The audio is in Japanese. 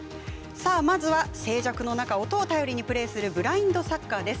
まずは静寂の中音を頼りにプレーするブラインドサッカーです。